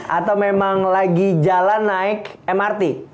atau memang lagi jalan naik mrt